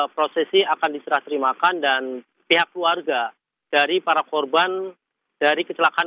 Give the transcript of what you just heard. prosesi akan diserah terimakan dan pihak keluarga dari para korban dari kecelakaan